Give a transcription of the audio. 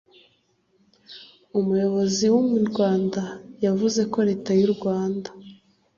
Umuyobozi w mu Rwanda, yavuze ko Leta y’u Rwanda